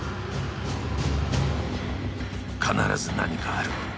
［必ず何かある。